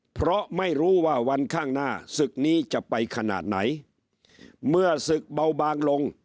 เพราะไม่รู้ว่าวันข้างหน้าศึกนี้จะไปขนาดไหนเมื่อศึกเบาบางลง